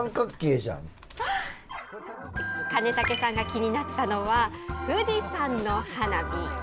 金武さんが気になったのは、富士山の花火。